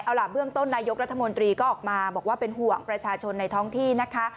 เอาล่ะเบื้องต้นนายกรัฐมนตรีก็ออกมาบอกว่าเป็นห่วงประชาชนในท้องที่นะคะ